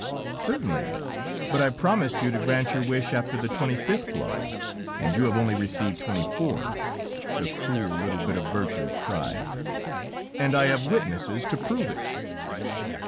"Certainly; but I promised you to grant your wish after the twenty fifth blow, and you have only received twenty four," the cruel little bit of virtue cried, "and I have witnesses to prove it."